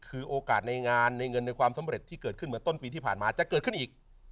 คือโอกาสในงานในเงินในความสำเร็จที่เกิดขึ้นเหมือนต้นปีที่ผ่านมาจะเกิดขึ้นอีก